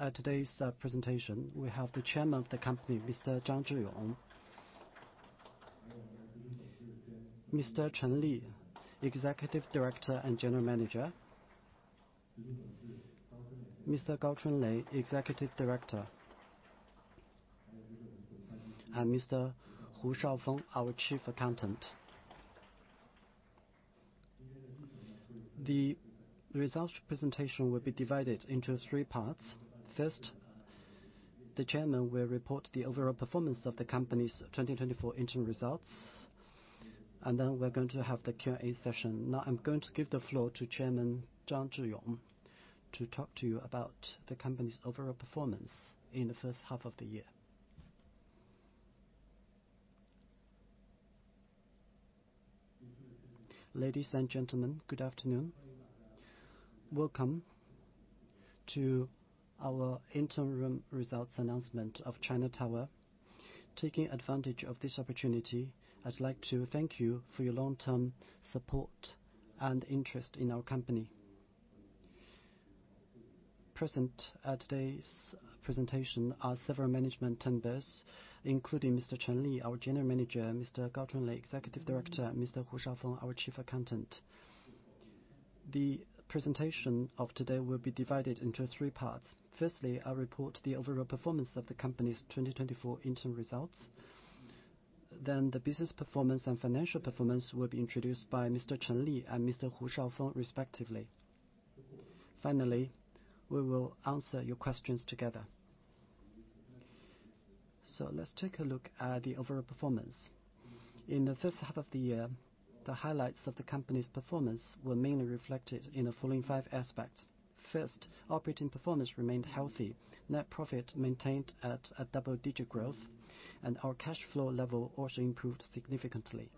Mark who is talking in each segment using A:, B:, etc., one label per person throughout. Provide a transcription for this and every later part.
A: At today's presentation, we have the Chairman of the company, Mr. Zhang Zhiyong. Mr. Chen Li, Executive Director and General Manager. Mr. Gao Chunlei, Executive Director, and Mr. Hu Shaofeng, our Chief Accountant. The results presentation will be divided into three parts. First, the Chairman will report the overall performance of the company's 2024 interim results, and then we're going to have the Q&A session. Now, I'm going to give the floor to Chairman Zhang Zhiyong, to talk to you about the company's overall performance in the first half of the year.
B: Ladies and gentlemen, good afternoon. Welcome to our interim results announcement of China Tower. Taking advantage of this opportunity, I'd like to thank you for your long-term support and interest in our company. Present at today's presentation are several management members, including Mr. Chen Li, our General Manager, Mr. Gao Chunlei, Executive Director, Mr. Hu Shaofeng, our Chief Accountant. The presentation of today will be divided into three parts. Firstly, I'll report the overall performance of the company's 2024 interim results, then the business performance and financial performance will be introduced by Mr. Chen Li and Mr. Hu Shaofeng, respectively. Finally, we will answer your questions together. So let's take a look at the overall performance. In the first half of the year, the highlights of the company's performance were mainly reflected in the following five aspects. First, operating performance remained healthy. Net profit maintained at a double-digit growth, and our cash flow level also improved significantly.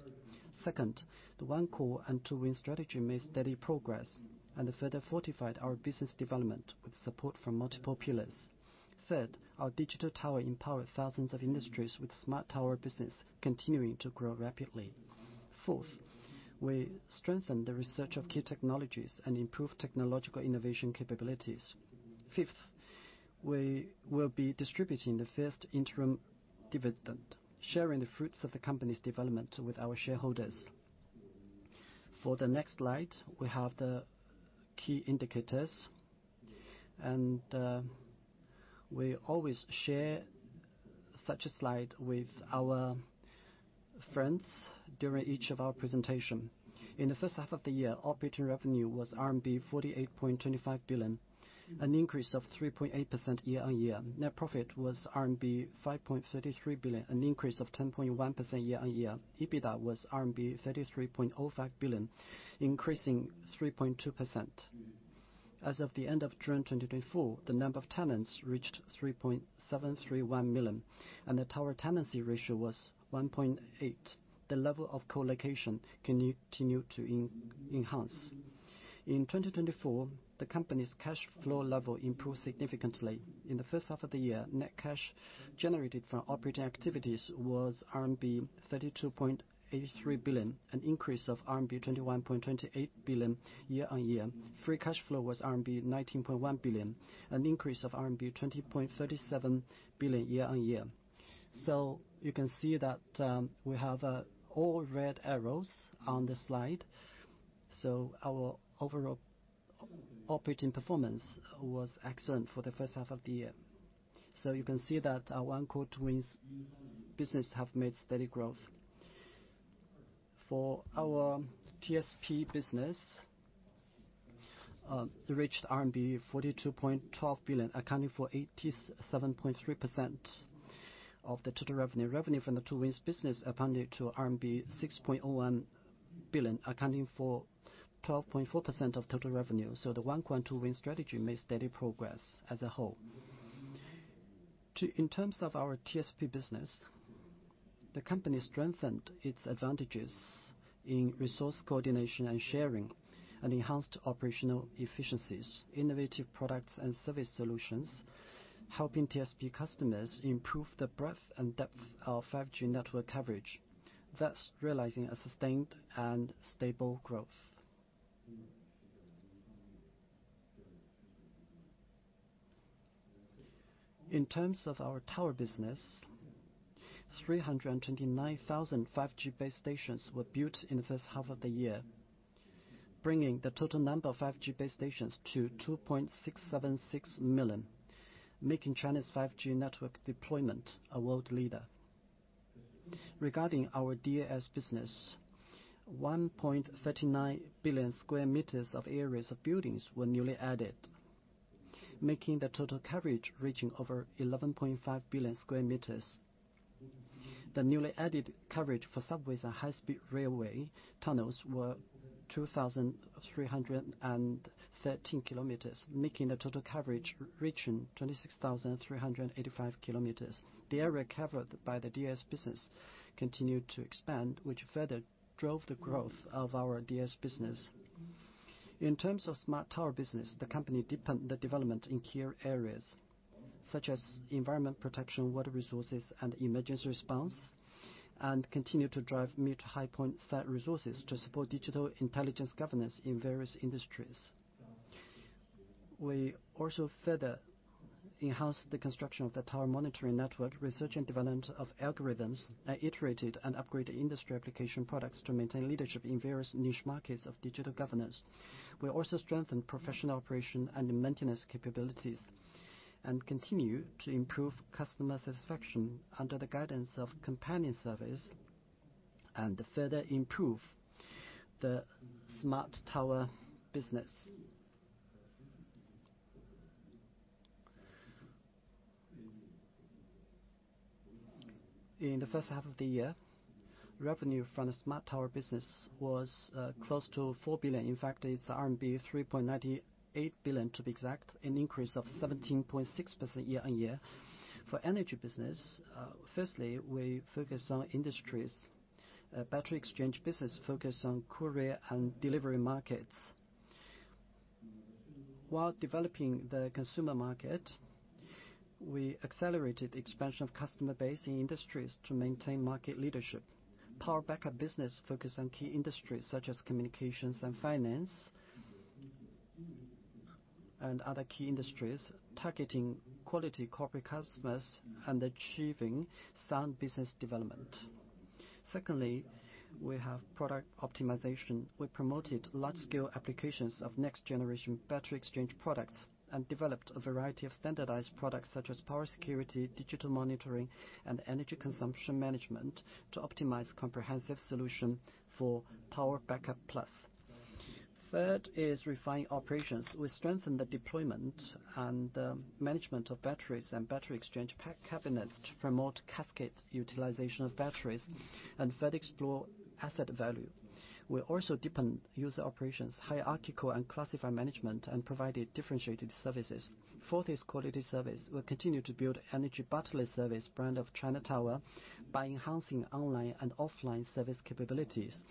B: Second, the One Core and Two Wings strategy made steady progress and further fortified our business development with support from multiple pillars. Third, our digital tower empowered thousands of industries with Smart Tower business continuing to grow rapidly. Fourth, we strengthened the research of key technologies and improved technological innovation capabilities. Fifth, we will be distributing the first interim dividend, sharing the fruits of the company's development with our shareholders. For the next slide, we have the key indicators, and we always share such a slide with our friends during each of our presentation. In the first half of the year, operating revenue was RMB 48.25 billion, an increase of 3.8% year-on-year. Net profit was RMB 5.33 billion, an increase of 10.1% year-on-year. EBITDA was RMB 33.05 billion, increasing 3.2%. As of the end of June 2024, the number of tenants reached 3.731 million, and the tower tenancy ratio was 1.8. The level of co-location continue to enhance. In 2024, the company's cash flow level improved significantly. In the first half of the year, net cash generated from operating activities was RMB 32.83 billion, an increase of RMB 21.28 billion year-on-year. Free cash flow was RMB 19.1 billion, an increase of RMB 20.37 billion year-on-year. So you can see that, we have, all red arrows on this slide. So our overall operating performance was excellent for the first half of the year. So you can see that our One Core, Two Wings business have made steady growth. For our TSP business, it reached RMB 42.12 billion, accounting for 87.3% of the total revenue. Revenue from the Two Wings business amounted to RMB 6.01 billion, accounting for 12.4% of total revenue. So the One Core and Two Wings strategy made steady progress as a whole. In terms of our TSP business, the company strengthened its advantages in resource coordination and sharing, and enhanced operational efficiencies, innovative products and service solutions, helping TSP customers improve the breadth and depth of our 5G network coverage, thus realizing a sustained and stable growth. In terms of our Tower business, 329,000 5G base stations were built in the first half of the year, bringing the total number of 5G base stations to 2.676 million, making China's 5G network deployment a world leader. Regarding our DAS business, 1.39 billion square meters of areas of buildings were newly added, making the total coverage reaching over 11.5 billion square meters. The newly added coverage for subways and high-speed railway tunnels were 2,313 kilometers, making the total coverage reaching 26,385 kilometers. The area covered by the DAS business continued to expand, which further drove the growth of our DAS business. In terms of Smart Tower business, the company deepened the development in key areas... such as environment protection, water resources, and emergency response, and continue to drive mid to high point site resources to support digital intelligence governance in various industries. We also further enhanced the construction of the tower monitoring network, research and development of algorithms, and iterated and upgraded industry application products to maintain leadership in various niche markets of digital governance. We also strengthened professional operation and maintenance capabilities, and continue to improve customer satisfaction under the guidance of companion service, and to further improve the Smart Tower business. In the first half of the year, revenue from the Smart Tower business was close to 4 billion. In fact, it's RMB 3.98 billion, to be exact, an increase of 17.6% year-on-year. For energy business, firstly, we focused on industries. Battery exchange business focused on courier and delivery markets. While developing the consumer market, we accelerated the expansion of customer base in industries to maintain market leadership. Power backup business focused on key industries such as communications and finance, and other key industries, targeting quality corporate customers and achieving sound business development. Secondly, we have product optimization. We promoted large-scale applications of next-generation battery exchange products and developed a variety of standardized products, such as power security, digital monitoring, and energy consumption management, to optimize comprehensive solution for Power Backup+. Third is refining operations. We strengthened the deployment and management of batteries and battery exchange pack cabinets to promote cascade utilization of batteries and further explore asset value. We also deepened user operations, hierarchical and classified management, and provided differentiated services. Fourth is quality service. We continue to build energy battery service brand of China Tower by enhancing online and offline service capabilities.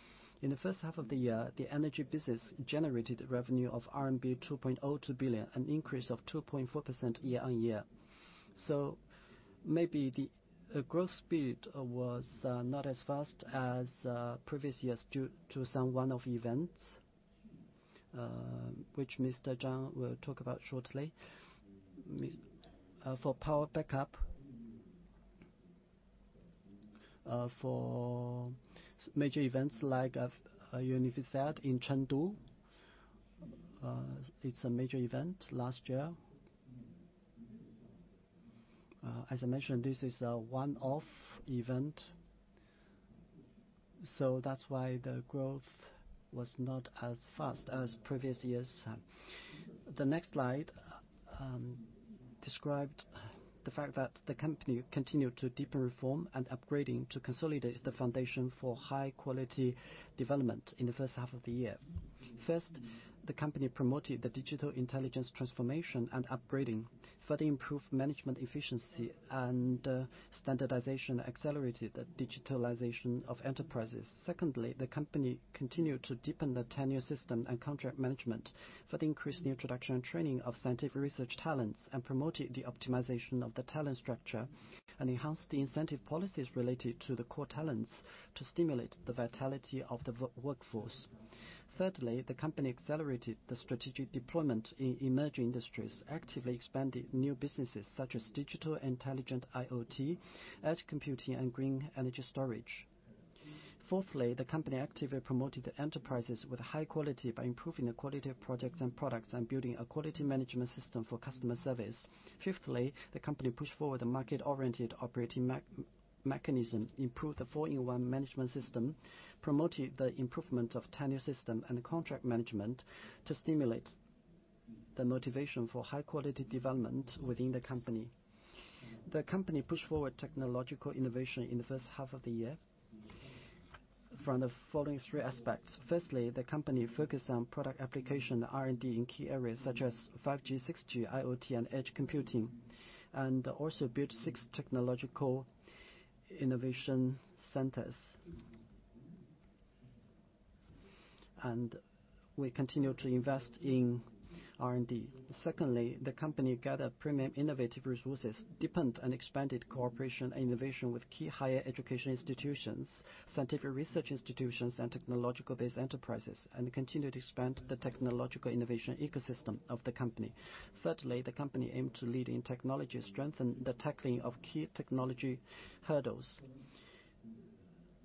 B: In the first half of the year, the Energy business generated revenue of RMB 2.02 billion, an increase of 2.4% year-on-year. So maybe the growth speed was not as fast as previous years due to some one-off events, which Mr. Chen will talk about shortly. For power backup, for major events like Universiade in Chengdu, it's a major event last year. As I mentioned, this is a one-off event, so that's why the growth was not as fast as previous years. The next slide described the fact that the company continued to deepen reform and upgrading to consolidate the foundation for high-quality development in the first half of the year. First, the company promoted the digital intelligence transformation and upgrading, further improved management efficiency and standardization, accelerated the digitalization of enterprises. Secondly, the company continued to deepen the tenure system and contract management, further increased the introduction and training of scientific research talents, and promoted the optimization of the talent structure, and enhanced the incentive policies related to the core talents to stimulate the vitality of the workforce. Thirdly, the company accelerated the strategic deployment in emerging industries, actively expanding new businesses such as Digital Intelligent IoT, edge computing, and green energy storage. Fourthly, the company actively promoted the enterprises with high quality by improving the quality of projects and products and building a quality management system for customer service. Fifthly, the company pushed forward the market-oriented operating mechanism, improved the four-in-one management system, promoted the improvement of tenure system and contract management to stimulate the motivation for high-quality development within the company. The company pushed forward technological innovation in the first half of the year from the following three aspects: firstly, the company focused on product application R&D in key areas such as 5G, 6G, IoT, and edge computing, and also built six technological innovation centers. And we continue to invest in R&D. Secondly, the company gathered premium innovative resources, deepened and expanded cooperation and innovation with key higher education institutions, scientific research institutions, and technological-based enterprises, and continued to expand the technological innovation ecosystem of the company. Thirdly, the company aimed to lead in technology, strengthen the tackling of key technology hurdles.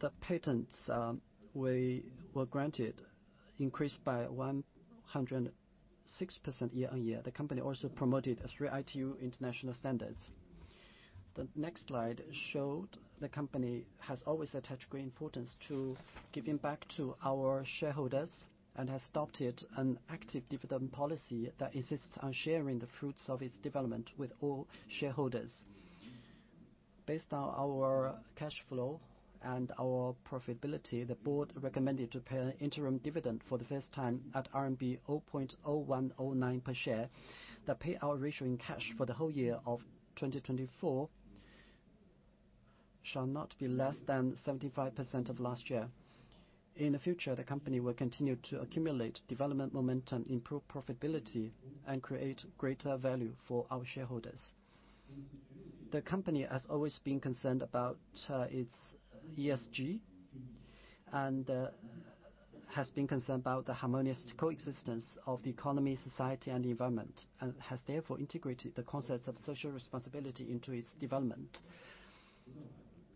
B: The patents we were granted increased by 106% year-on-year. The company also promoted three ITU international standards. The next slide showed the company has always attached great importance to giving back to our shareholders and has adopted an active dividend policy that insists on sharing the fruits of its development with all shareholders. Based on our cash flow and our profitability, the board recommended to pay an interim dividend for the first time at RMB 0.0109 per share. The payout ratio in cash for the whole year of 2024. Shall not be less than 75% of last year. In the future, the company will continue to accumulate development momentum, improve profitability, and create greater value for our shareholders. The company has always been concerned about its ESG, and has been concerned about the harmonious coexistence of the economy, society, and the environment, and has therefore integrated the concepts of social responsibility into its development.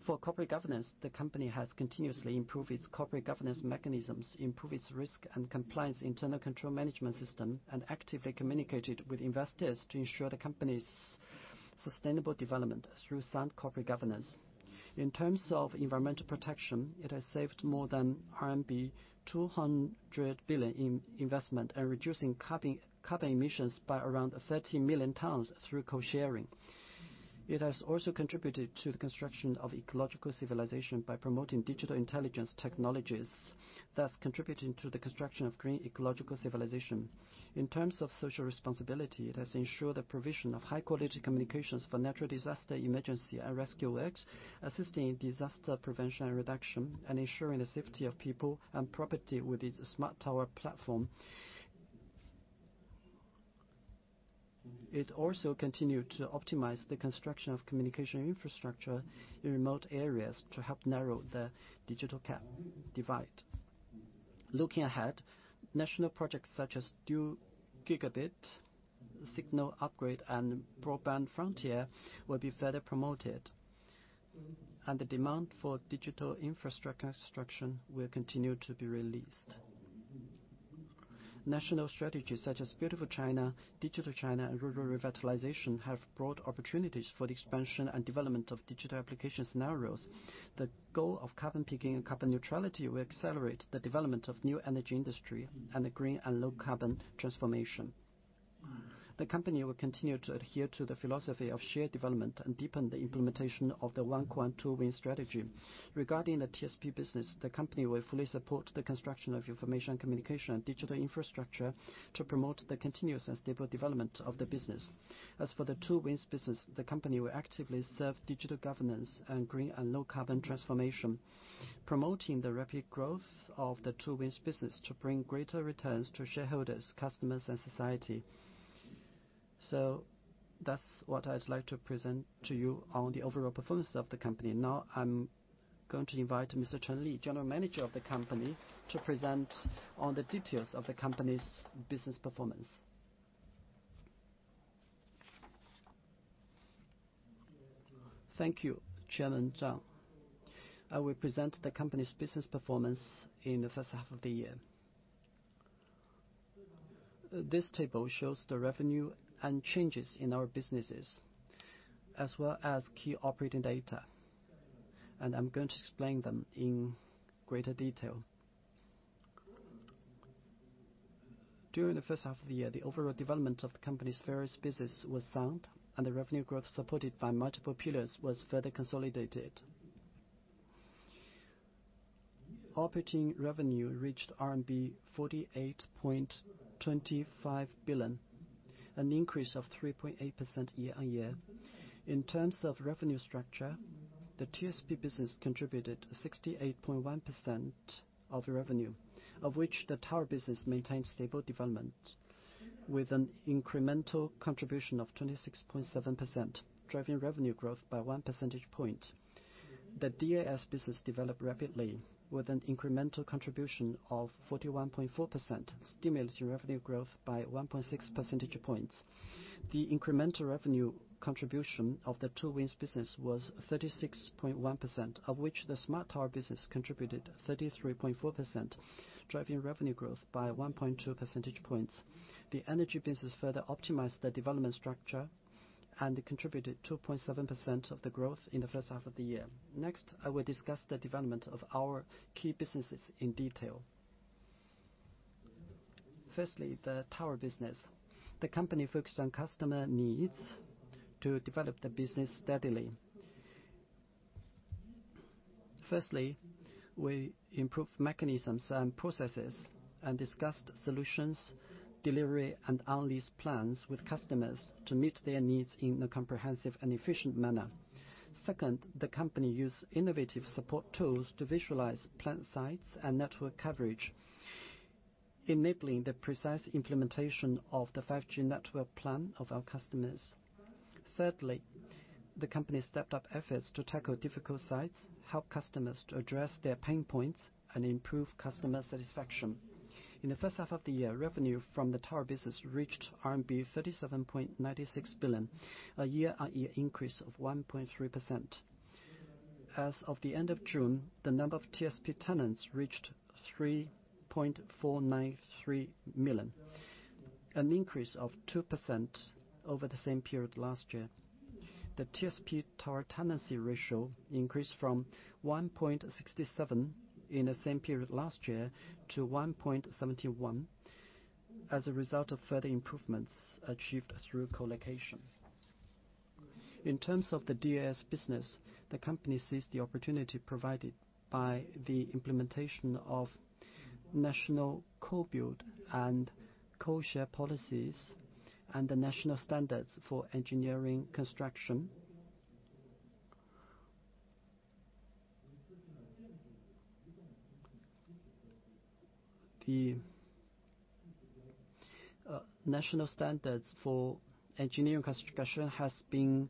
B: For corporate governance, the company has continuously improved its corporate governance mechanisms, improved its risk and compliance internal control management system, and actively communicated with investors to ensure the company's sustainable development through sound corporate governance. In terms of environmental protection, it has saved more than RMB 200 billion in investment and reducing carbon emissions by around 30 million tons through co-sharing. It has also contributed to the construction of ecological civilization by promoting digital intelligence technologies, thus contributing to the construction of green ecological civilization. In terms of social responsibility, it has ensured the provision of high-quality communications for natural disaster, emergency, and rescue works, assisting in disaster prevention and reduction, and ensuring the safety of people and property with its Smart Tower platform. It also continued to optimize the construction of communication infrastructure in remote areas to help narrow the digital divide. Looking ahead, national projects such as Dual Gigabit signal upgrade and Broadband Frontier will be further promoted, and the demand for digital infrastructure construction will continue to be released. National strategies such as Beautiful China, Digital China, and Rural Revitalization have broad opportunities for the expansion and development of digital application scenarios. The goal of carbon peaking and carbon neutrality will accelerate the development of new energy industry and the green and low carbon transformation. The company will continue to adhere to the philosophy of shared development and deepen the implementation of the One Core and Two Wings strategy. Regarding the TSP business, the company will fully support the construction of information communication and digital infrastructure to promote the continuous and stable development of the business. As for the Two Wings business, the company will actively serve digital governance and green and low carbon transformation, promoting the rapid growth of the Two Wings business to bring greater returns to shareholders, customers, and society. So that's what I'd like to present to you on the overall performance of the company. Now, I'm going to invite Mr. Chen Li, General Manager of the company, to present on the details of the company's business performance.
C: Thank you, Chairman Zhang. I will present the company's business performance in the first half of the year. This table shows the revenue and changes in our businesses, as well as key operating data, and I'm going to explain them in greater detail. During the first half of the year, the overall development of the company's various businesses were sound, and the revenue growth, supported by multiple pillars, was further consolidated. Operating revenue reached RMB 48.25 billion, an increase of 3.8% year-on-year. In terms of revenue structure, the TSP business contributed 68.1% of revenue, of which the Tower business maintained stable development with an incremental contribution of 26.7%, driving revenue growth by one percentage point. The DAS business developed rapidly with an incremental contribution of 41.4%, stimulating revenue growth by 1.6 percentage points. The incremental revenue contribution of the Two Wings business was 36.1%, of which the Smart Tower business contributed 33.4%, driving revenue growth by 1.2 percentage points. The Energy business further optimized the development structure and contributed 2.7% of the growth in the first half of the year. Next, I will discuss the development of our key businesses in detail. Firstly, the Tower business. The company focused on customer needs to develop the business steadily. Firstly, we improved mechanisms and processes and discussed solutions, delivery, and our lease plans with customers to meet their needs in a comprehensive and efficient manner. Second, the company used innovative support tools to visualize plant sites and network coverage, enabling the precise implementation of the 5G network plan of our customers. Thirdly, the company stepped up efforts to tackle difficult sites, help customers to address their pain points, and improve customer satisfaction. In the first half of the year, revenue from the Tower business reached RMB 37.96 billion, a year-on-year increase of 1.3%. As of the end of June, the number of TSP tenants reached 3.493 million, an increase of 2% over the same period last year. The TSP Tower tenancy ratio increased from 1.67 in the same period last year to 1.71, as a result of further improvements achieved through co-location. In terms of the DAS business, the company seized the opportunity provided by the implementation of national co-build and co-share policies and the national standards for engineering construction. The national standards for engineering construction has been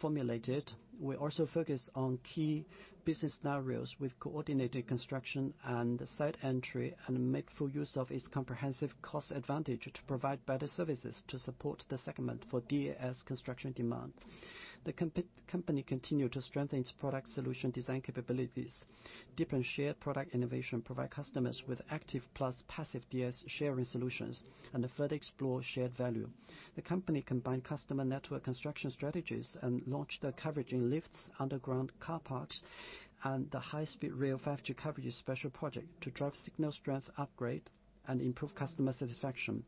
C: formulated. We also focus on key business scenarios with coordinated construction and site entry, and make full use of its comprehensive cost advantage to provide better services to support the segment for DAS construction demand. The company continued to strengthen its product solution design capabilities, deepen shared product innovation, provide customers with active plus passive DAS sharing solutions, and further explore shared value. The company combined customer network construction strategies and launched the coverage in lifts, underground car parks, and the high-speed rail 5G coverage special project to drive signal strength upgrade and improve customer satisfaction.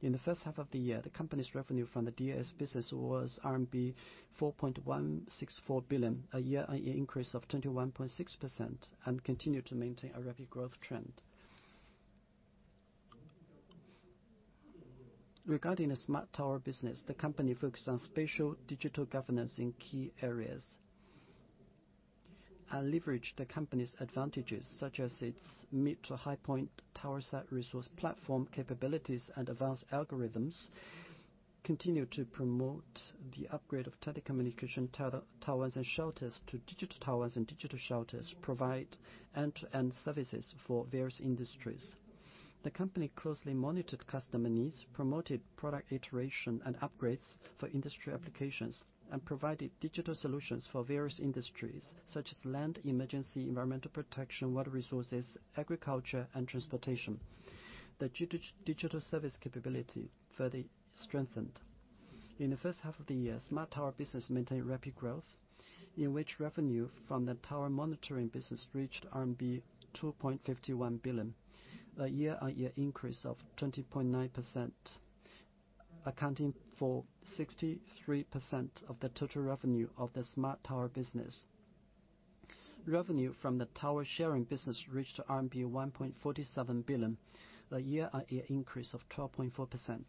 C: In the first half of the year, the company's revenue from the DAS business was RMB 4.164 billion, a year-on-year increase of 21.6%, and continued to maintain a rapid growth trend. Regarding the Smart Tower business, the company focused on spatial digital governance in key areas, and leveraged the company's advantages, such as its mid to high point tower site resource platform capabilities and advanced algorithms, continue to promote the upgrade of telecommunication towers and shelters to digital towers and digital shelters, provide end-to-end services for various industries. The company closely monitored customer needs, promoted product iteration and upgrades for industry applications, and provided digital solutions for various industries, such as land, emergency, environmental protection, water resources, agriculture, and transportation. The digital service capability further strengthened. In the first half of the year, Smart Tower business maintained rapid growth, in which revenue from the Tower Monitoring business reached RMB 2.51 billion, a year-on-year increase of 20.9%, accounting for 63% of the total revenue of the Smart Tower business. Revenue from the Tower Sharing business reached RMB 1.47 billion, a year-on-year increase of 12.4%.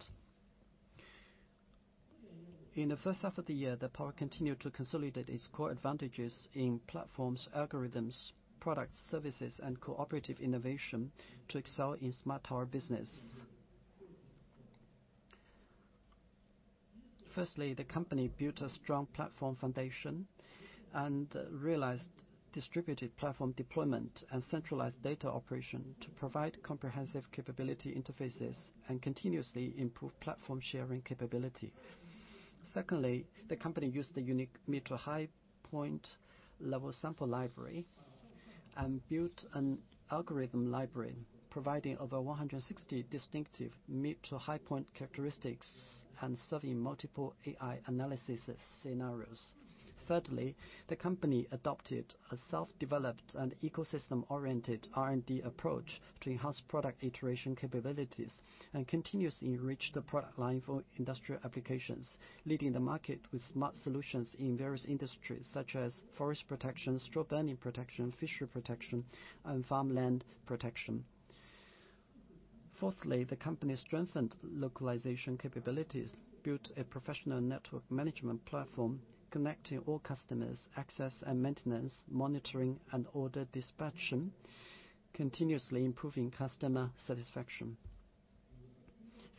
C: In the first half of the year, the Company continued to consolidate its core advantages in platforms, algorithms, products, services, and cooperative innovation to excel in Smart Tower business. Firstly, the company built a strong platform foundation and realized distributed platform deployment and centralized data operation to provide comprehensive capability interfaces and continuously improve platform sharing capability. Secondly, the company used the unique mid to high point level sample library and built an algorithm library, providing over 160 distinctive mid to high point characteristics and serving multiple AI analysis scenarios. Thirdly, the company adopted a self-developed and ecosystem-oriented R&D approach to enhance product iteration capabilities and continuously enrich the product line for industrial applications, leading the market with smart solutions in various industries such as forest protection, straw burning protection, fishery protection, and farmland protection. Fourthly, the company strengthened localization capabilities, built a professional network management platform, connecting all customers, access and maintenance, monitoring, and order dispatching, continuously improving customer satisfaction.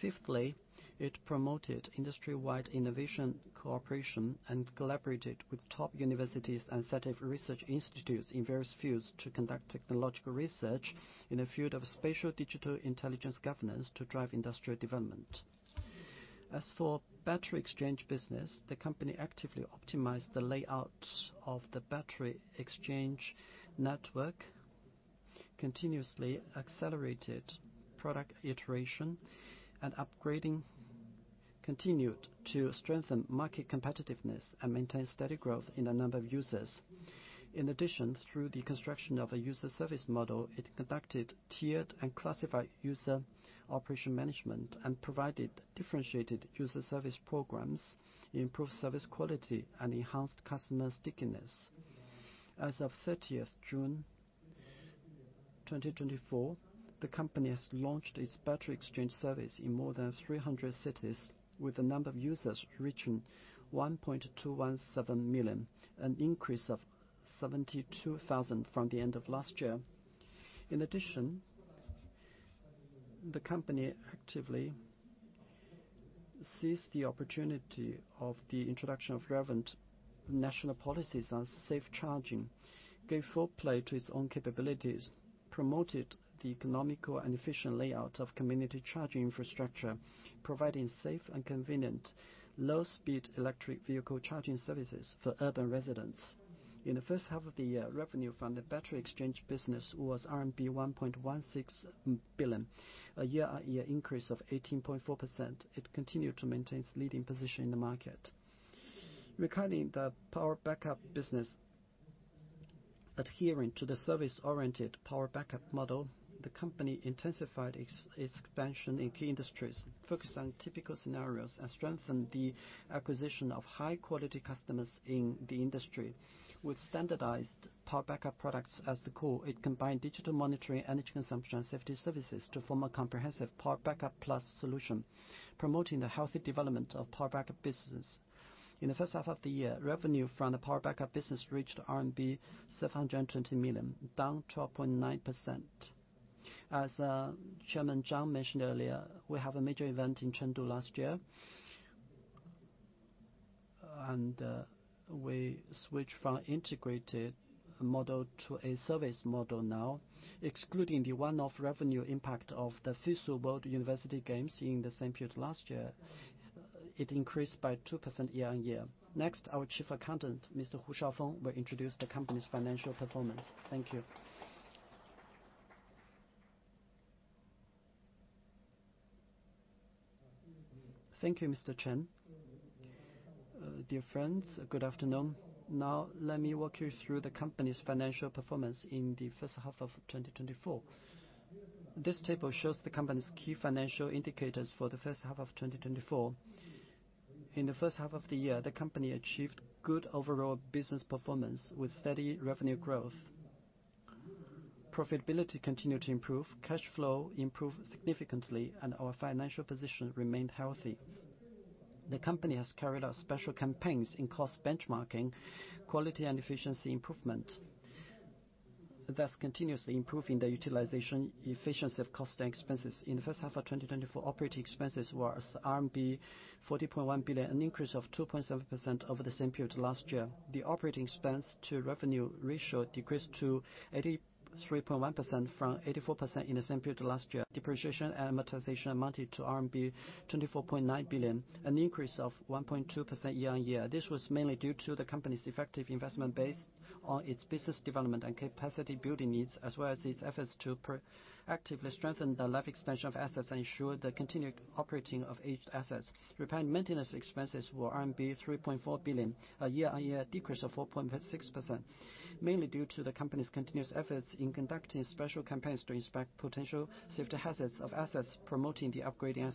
C: Fifthly, it promoted industry-wide innovation, cooperation, and collaborated with top universities and scientific research institutes in various fields to conduct technological research in the field of spatial digital intelligence governance to drive industrial development. As for battery exchange business, the company actively optimized the layout of the battery exchange network, continuously accelerated product iteration and upgrading, continued to strengthen market competitiveness, and maintain steady growth in the number of users. In addition, through the construction of a user service model, it conducted tiered and classified user operation management and provided differentiated user service programs, improved service quality, and enhanced customer stickiness. As of 30th June 2024, the company has launched its battery exchange service in more than 300 cities, with the number of users reaching 1.217 million, an increase of 72,000 from the end of last year. In addition, the company actively seized the opportunity of the introduction of relevant national policies on safe charging, gave full play to its own capabilities, promoted the economical and efficient layout of community charging infrastructure, providing safe and convenient low-speed electric vehicle charging services for urban residents. In the first half of the year, revenue from the battery exchange business was RMB 1.16 billion, a year-on-year increase of 18.4%. It continued to maintain its leading position in the market. Regarding the power backup business, adhering to the service-oriented power backup model, the company intensified expansion in key industries, focused on typical scenarios, and strengthened the acquisition of high-quality customers in the industry. With standardized power backup products as the core, it combined digital monitoring, energy consumption, and safety services to form a comprehensive Power Backup+ solution, promoting the healthy development of power backup business. In the first half of the year, revenue from the power backup business reached RMB 720 million, down 12.9%. As Chairman Zhang mentioned earlier, we have a major event in Chengdu last year. And, we switched from integrated model to a service model now. Excluding the one-off revenue impact of the FISU World University Games in the same period last year, it increased by 2% year-on-year. Next, our Chief Accountant, Mr. Hu Shaofeng, will introduce the company's financial performance. Thank you.
D: Thank you, Mr. Chen. Dear friends, good afternoon. Now, let me walk you through the company's financial performance in the first half of 2024. This table shows the company's key financial indicators for the first half of 2024. In the first half of the year, the company achieved good overall business performance with steady revenue growth. Profitability continued to improve, cash flow improved significantly, and our financial position remained healthy. The company has carried out special campaigns in cost benchmarking, quality and efficiency improvement, thus continuously improving the utilization efficiency of cost and expenses. In the first half of 2024, operating expenses was RMB 40.1 billion, an increase of 2.7% over the same period last year. The operating expense to revenue ratio decreased to 83.1% from 84% in the same period last year. Depreciation and amortization amounted to RMB 24.9 billion, an increase of 1.2% year-on-year. This was mainly due to the company's effective investment based on its business development and capacity-building needs, as well as its efforts to proactively strengthen the life extension of assets and ensure the continued operating of aged assets. Repair and maintenance expenses were RMB 3.4 billion, a year-on-year decrease of 4.6%, mainly due to the company's continuous efforts in conducting special campaigns to inspect potential safety hazards of assets, promoting the upgrading and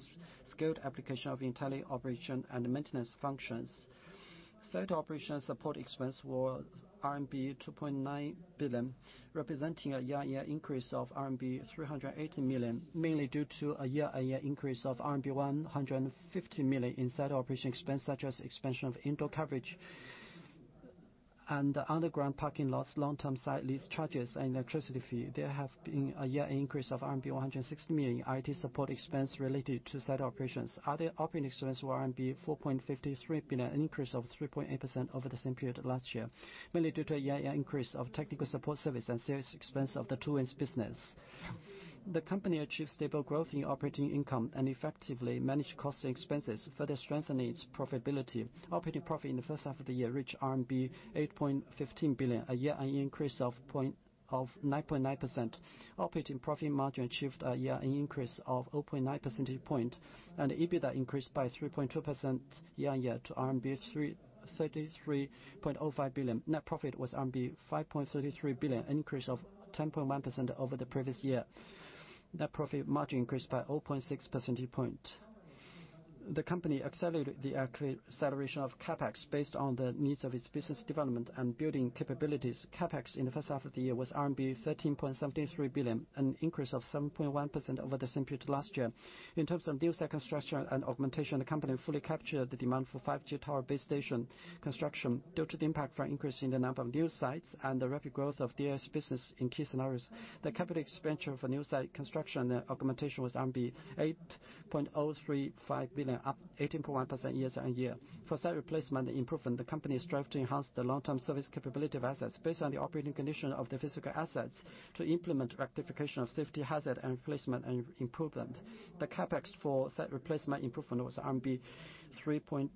D: skilled application of intelligent operation and maintenance functions. Site operation support expense was RMB 2.9 billion, representing a year-on-year increase of RMB 380 million, mainly due to a year-on-year increase of RMB 150 million in site operation expense, such as expansion of indoor coverage and underground parking lots, long-term site lease charges, and electricity fee. There has been a year-on-year increase of RMB 160 million in IT support expense related to site operations. Other operating expenses were RMB 4.53 billion, an increase of 3.8% over the same period last year, mainly due to a year-on-year increase of technical support service and sales expense of the Two Wings business. The company achieved stable growth in operating income and effectively managed costs and expenses, further strengthening its profitability. Operating profit in the first half of the year reached RMB 8.15 billion, a year-on-year increase of 9.9%. Operating profit margin achieved a year-on-year increase of 0.9 percentage point, and EBITDA increased by 3.2% year-on-year to RMB 33.05 billion. Net profit was RMB 5.33 billion, an increase of 10.1% over the previous year. Net profit margin increased by 0.6 percentage point. The company accelerated the acceleration of CapEx based on the needs of its business development and building capabilities. CapEx in the first half of the year was RMB 13.73 billion, an increase of 7.1% over the same period last year. In terms of new site construction and augmentation, the company fully captured the demand for 5G tower base station construction, due to the impact from increase in the number of new sites and the rapid growth of DAS business in key scenarios. The capital expenditure for new site construction and augmentation was 8.035 billion, up 18.1% year-on-year. For site replacement improvement, the company strived to enhance the long-term service capability of assets based on the operating condition of the physical assets to implement rectification of safety hazard and replacement and improvement. The CapEx for site replacement improvement was RMB 3.2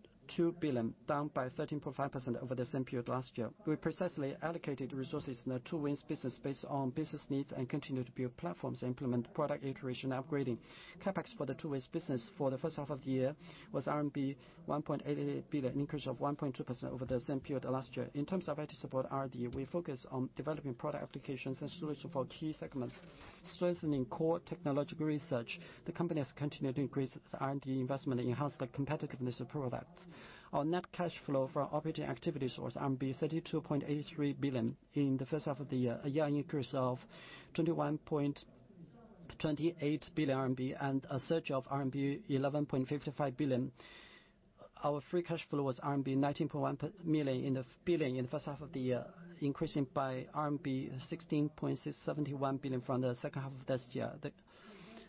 D: billion, down by 13.5% over the same period last year. We precisely allocated resources in the Two Wings business based on business needs and continued to build platforms to implement product iteration upgrading. CapEx for the Two Wings business for the first half of the year was RMB 1.88 billion, an increase of 1.2% over the same period last year. In terms of IT support R&D, we focused on developing product applications and solutions for key segments, strengthening core technological research. The company has continued to increase R&D investment and enhance the competitiveness of products. Our net cash flow from operating activities was RMB 32.83 billion in the first half of the year, a year-on-year increase of 21.28 billion RMB and a surplus of RMB 11.55 billion. Our free cash flow was RMB 19.1 billion in the first half of the year, increasing by RMB 16.671 billion from the second half of last year.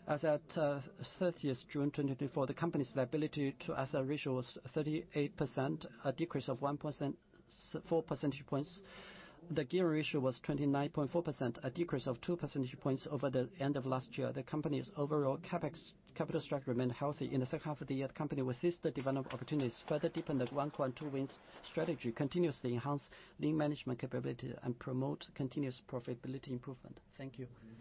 D: As at 30th June 2024, the company's liability to asset ratio was 38%, a decrease of 1.4 percentage points. The gearing ratio was 29.4%, a decrease of two percentage points over the end of last year. The company's overall CapEx capital structure remained healthy. In the second half of the year, the company will seize the development opportunities, further deepen the One Core and Two Wings strategy, continuously enhance lean management capability, and promote continuous profitability improvement. Thank you.